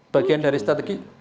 bagian dari strategi